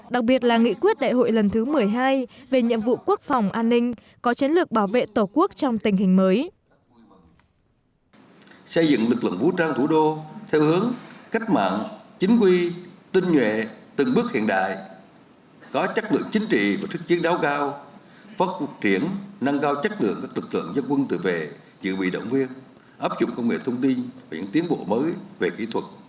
đặc biệt là nghị quyết đại hội lần thứ một mươi hai về nhiệm vụ quốc phòng an ninh có chấn lược bảo vệ tổ quốc trong tình hình mới